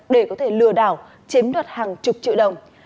để có thể lừa đảo chiếm đoạt hàng chục triệu đồng